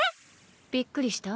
びっくりした？